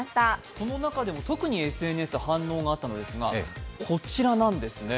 その中でも特にＳＮＳで特に反応があったのがこちらなんですね。